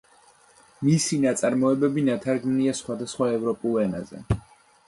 მისი ნაწარმოებები ნათარგმნია სხვადასხვა ევროპულ ენებზე.